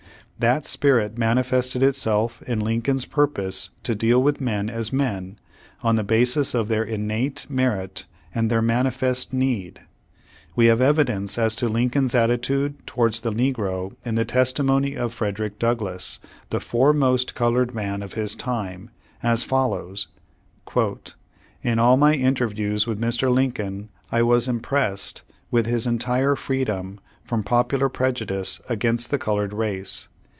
That spirit manifested itself in Lincoln's pur pose to deal with men as men, on the basis of their innate merit and their manifest need. We have evidence as to Lincoln's attitude towards the negro in the testimony of Frederick Douglass, the foremost colored man of his time, as follows : "In all m.y interviews with Mr. Lincoln I was impressed with his entire freedom from popular prejudice against 24 Page One Hundred eighty six the colored race.